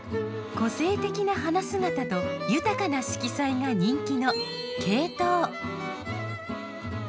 個性的な花姿と豊かな色彩が人気のケイトウ。